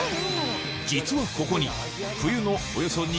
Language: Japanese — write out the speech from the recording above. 実はここにうわ！